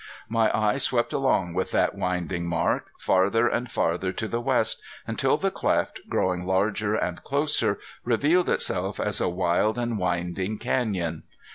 My eye swept along with that winding mark, farther and farther to the west, until the cleft, growing larger and closer, revealed itself as a wild and winding canyon.